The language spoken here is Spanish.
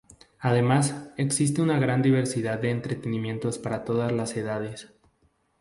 Además, existe una gran diversidad de entretenimientos para todas las edades.